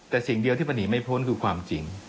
แต่สิ่งเดียวที่มันหนีไม่พ้นคือความจริง